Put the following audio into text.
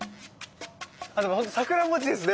ああでもほんと桜もちですね